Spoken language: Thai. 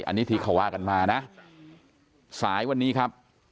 อันนี้ที่เขาว่ากันมานะสายวันนี้ครับ